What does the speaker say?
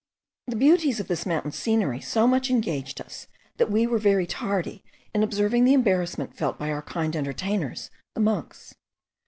The beauties of this mountain scenery so much engaged us, that we were very tardy in observing the embarrassment felt by our kind entertainers the monks.